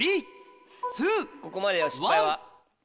ここまでよ失敗は。